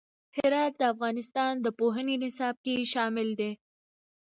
هرات د افغانستان د پوهنې نصاب کې شامل دي.